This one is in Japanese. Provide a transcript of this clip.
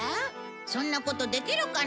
そんなことできるかな？